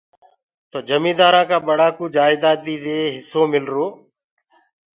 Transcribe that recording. تو جميٚندآرانٚ ڪا ٻڙا ڪوُ جائيٚدادي هِسو مِلرو۔